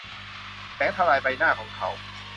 แสงทำลายใบหน้าของเขา